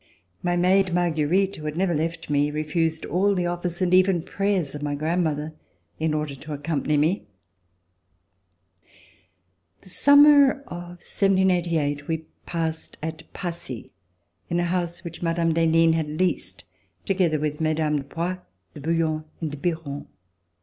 My maid. Marguerite, who had never left me, refused all the offers and even prayers of my grandmother In order to accompany me. The summer of 1788 we passed at Passy In a house which Mme. d'Henin had leased, together with Mmes. de Poix, de Bouillon and de Biron.